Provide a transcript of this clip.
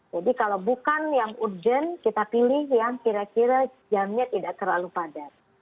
jadi kalau bukan yang urgent kita pilih yang kira kira jamnya tidak terlalu padat